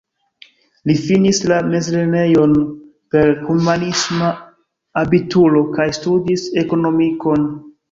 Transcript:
Li finis la mezlernejon per humanisma abituro kaj studis ekonomikon.